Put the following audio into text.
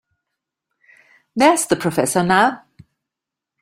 There's the professor now.